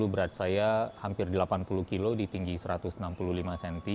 berat saya hampir delapan puluh kilo di tinggi satu ratus enam puluh lima cm